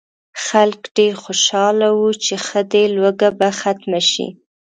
خلک ډېر خوشاله وو چې ښه دی لوږه به ختمه شي.